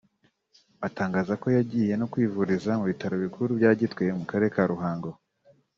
atangaza ko yagiye no kwivuriza ku Bitaro Bikuru bya Gitwe mu Karere ka Ruhango